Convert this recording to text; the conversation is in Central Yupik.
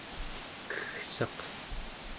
keggsaq